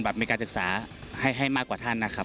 มีการศึกษาให้มากกว่าท่านนะครับ